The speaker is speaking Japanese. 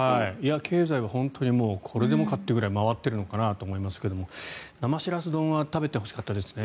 経済は本当にこれでもかってくらい回っているのかなと思いますが生シラス丼は食べてほしかったですね。